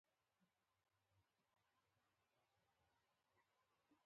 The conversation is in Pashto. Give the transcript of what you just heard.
ژبه د مادي او غږیز اړخ ترڅنګ مهم اروايي اړخ لري